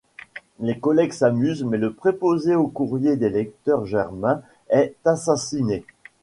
Les collègues s'amusent mais le préposé au courrier des lecteurs, Germain, est assassiné.